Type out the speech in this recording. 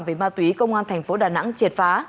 về ma túy công an thành phố đà nẵng triệt phá